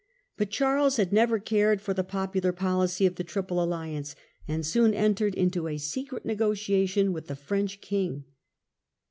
But Charles Triple aih had never cared for the popular policy ^yJJ*"^^ of the Triple Alliance, and soon entered Dover, xces into a secret negotiation with the French ^°' king.